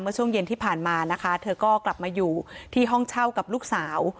ช่วงเย็นที่ผ่านมานะคะเธอก็กลับมาอยู่ที่ห้องเช่ากับลูกสาว